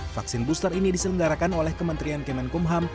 vaksin booster ini diselenggarakan oleh kementerian kemenkumham